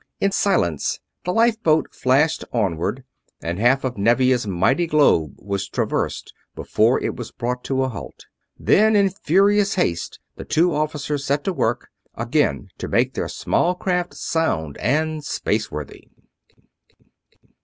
In silence the lifeboat flashed onward, and half of Nevia's mighty globe was traversed before it was brought to a halt. Then in furious haste the two officers set to work, again to make their small craft sound and spaceworthy.